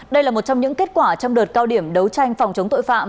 đây là một trong những kết quả trong đợt cao điểm đấu tranh phòng chống tội phạm